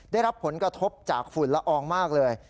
ได้รับผลกระทบจากฝุ่นละอองมากเลย